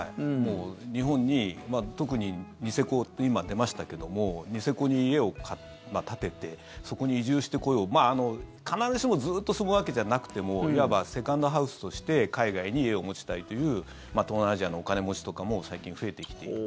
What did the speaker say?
日本に特にニセコ、今出ましたけどもニセコに家を建ててそこに移住してこよう必ずしもずっと住むわけじゃなくてもいわばセカンドハウスとして海外に家を持ちたいという東南アジアのお金持ちとかも最近増えてきていて。